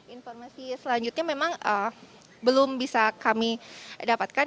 informasi selanjutnya memang belum bisa kami dapatkan